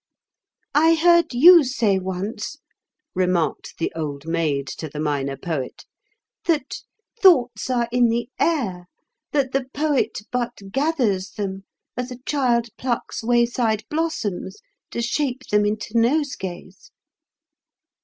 "I heard you say once," remarked the Old Maid to the Minor Poet, "that 'thoughts are in the air,' that the poet but gathers them as a child plucks wayside blossoms to shape them into nosegays."